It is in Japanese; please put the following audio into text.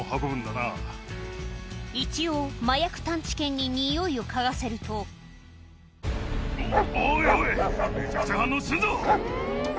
一応麻薬探知犬ににおいを嗅がせるとおいおい！